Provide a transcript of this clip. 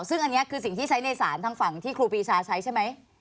ซึ่งอันนี้คือสิ่งที่ใช้ในศาลทางฝั่งที่ครูปีชาใช้ใช่ไหม